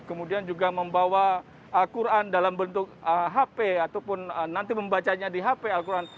kemudian juga membawa al quran dalam bentuk hp ataupun nanti membacanya di hp al quran